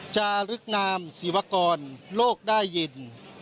จารึกงามศิวากรโลกได้ยิน